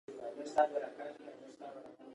یو سل او اتمه پوښتنه د مامور ترفیع ده.